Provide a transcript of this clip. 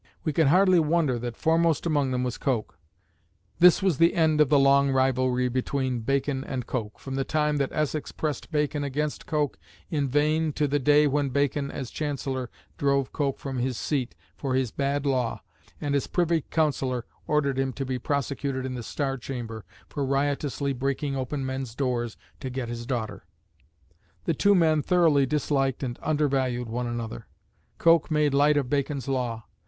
We can hardly wonder that foremost among them was Coke. This was the end of the long rivalry between Bacon and Coke, from the time that Essex pressed Bacon against Coke in vain to the day when Bacon as Chancellor drove Coke from his seat for his bad law, and as Privy Councillor ordered him to be prosecuted in the Star Chamber for riotously breaking open men's doors to get his daughter. The two men thoroughly disliked and undervalued one another. Coke made light of Bacon's law.